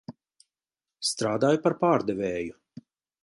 Strādāju par pārdevēju.